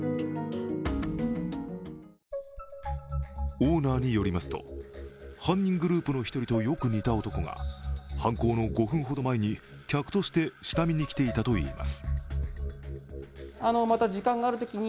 オーナーによりますと犯人グループの１人とよく似た男が犯行の５分ほど前に客として下見に来ていたといいます。